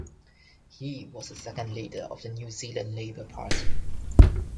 He was the second leader of the New Zealand Labour Party.